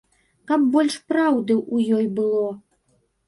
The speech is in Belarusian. Каб больш праўды ў ёй было.